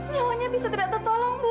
nyawanya bisa tidak tertolong bu